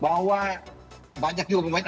bahwa banyak juga pemain